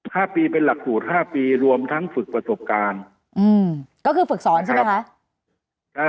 ห้าปีเป็นหลักสูตรห้าปีรวมทั้งฝึกประสบการณ์อืมก็คือฝึกสอนใช่ไหมคะอ่า